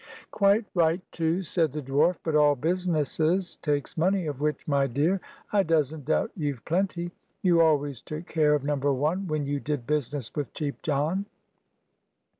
"Quite right, too," said the dwarf; "but all businesses takes money, of which, my dear, I doesn't doubt you've plenty. You always took care of Number One, when you did business with Cheap John."